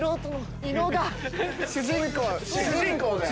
主人公だよね。